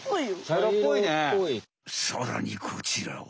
さらにこちらは？